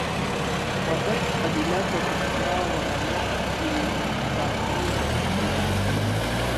خواځک قبيله په پکتیا ولايت کې پراته دي